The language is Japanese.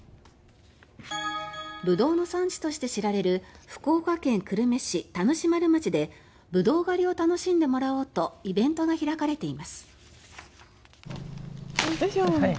ブドウの産地として知られる福岡県久留米市田主丸町でブドウ狩りを楽しんでもらおうとイベントが開かれています。